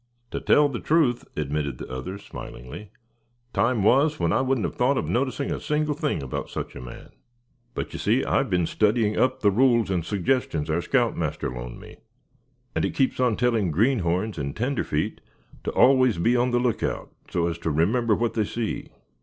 "To tell the truth," admitted the other, smilingly; "time was when I wouldn't have thought of noticing a single thing about such a man; but you see, I've been studying up the rules and suggestions our scout master loaned me, and it keeps on telling greenhorns and tenderfeet to always be on the lookout, so as to remember what they see.